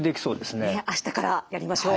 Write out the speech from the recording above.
ねっ明日からやりましょう！